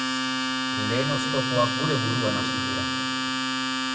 Lehen oztopoak gure buruan hasten dira.